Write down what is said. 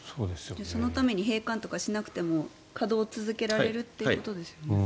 そのために閉館とかしなくても稼働を続けられるってことですよね。